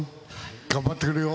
頑張ってくれよ。